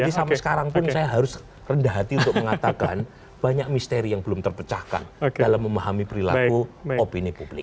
jadi sampai sekarang pun saya harus rendah hati untuk mengatakan banyak misteri yang belum terpecahkan dalam memahami perilaku opini publik